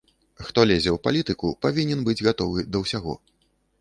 Хто лезе ў палітыку, павінен быць гатовы да ўсяго.